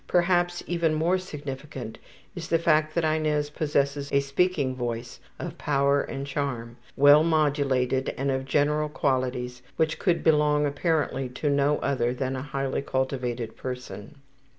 Perhaps even more significant is the fact that Inez possesses a speaking voice of power and charm, well modulated and of general qualities which could belong apparently to no other than a highly cultivated person.